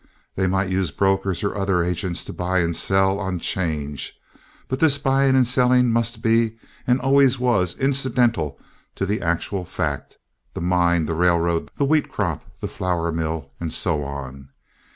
They might use brokers or other agents to buy and sell on 'change; but this buying and selling must be, and always was, incidental to the actual fact—the mine, the railroad, the wheat crop, the flour mill, and so on.